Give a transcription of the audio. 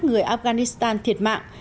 người afghanistan thiệt mạng